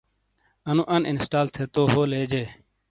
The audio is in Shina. انُو اَن اِنسٹال تھے تو ہو لیجے۔